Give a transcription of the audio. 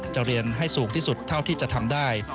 จะเรียนให้สูงที่สุดเท่าที่จะทำได้